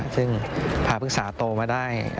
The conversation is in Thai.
ซึ่งพาพฤกษาโตมาได้